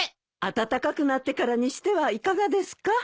暖かくなってからにしてはいかがですか？